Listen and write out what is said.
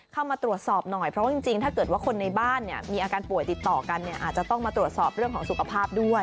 เข้ามาตรวจสอบหน่อยเพราะว่าจริงถ้าเกิดว่าคนในบ้านเนี่ยมีอาการป่วยติดต่อกันเนี่ยอาจจะต้องมาตรวจสอบเรื่องของสุขภาพด้วย